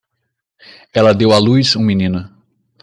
Ela deu à luz um menino